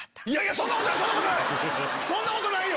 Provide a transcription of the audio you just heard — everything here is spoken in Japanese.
そんなことないよ！